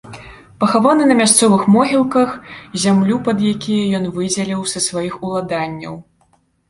Пахаваны на мясцовых могілках, зямлю пад якія ён выдзеліў са сваіх уладанняў.